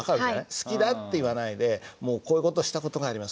「好きだ」って言わないで「もうこういう事した事があります」